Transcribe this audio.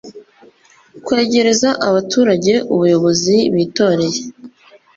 kwegereza abaturage ubuyobozi bitoreye